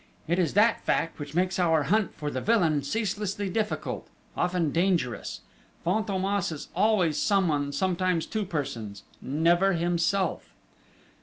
It is that fact which makes our hunt for the villain ceaselessly difficult, often dangerous!... Fantômas is always someone, sometimes two persons, never himself!"